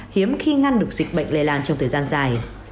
hiếm khi ngăn được dịch bệnh lây lan trong thời gian dài